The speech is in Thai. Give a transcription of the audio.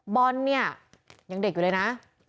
บอลเนี่ยยังเด็กอยู่เลยนะ